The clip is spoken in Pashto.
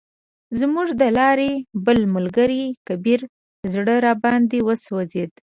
زموږ د لارې بل ملګری کبیر زړه راباندې وسوځید.